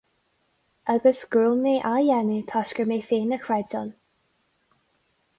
Agus go raibh mé á dhéanamh toisc gur mé féin a chreid ann.